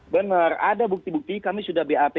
benar ada bukti bukti kami sudah bap